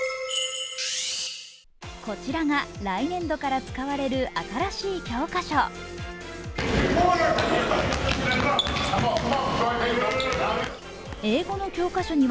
こちらが来年度から使われる新しい教科書。